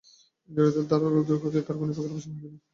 ইন্দ্রিয়ের দ্বার রুদ্ধ করিলেও তোমার ঘূর্ণিপাকের অবসান হইবে না।